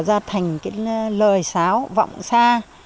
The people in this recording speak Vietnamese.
ra thành cái lời sáo vọng xa